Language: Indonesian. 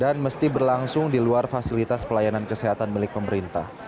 dan mesti berlangsung di luar fasilitas pelayanan kesehatan milik pemerintah